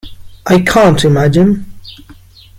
I can't imagine.